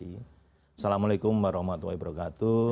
assalamualaikum warahmatullahi wabarakatuh